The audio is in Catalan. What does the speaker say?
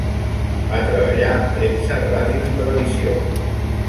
Va treballar en premsa, ràdio i televisió.